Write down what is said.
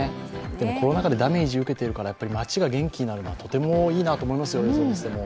コロナ禍でダメージを受けているからやっぱり街が元気になるのはとてもいいと思います、いずれにしても。